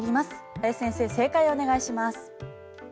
林先生、正解をお願いします。